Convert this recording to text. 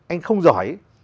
anh không giỏi